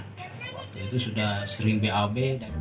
waktu itu sudah sering bab